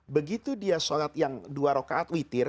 begitu dia sholat yang dua rokaat witir